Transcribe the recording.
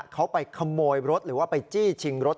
เขาไปขโมยรถหรือว่าไปจี้ชิงรถ